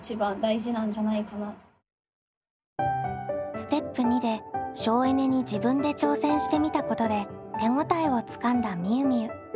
ステップ②で省エネに自分で挑戦してみたことで手応えをつかんだみゆみゆ。